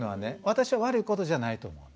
私は悪いことじゃないと思う。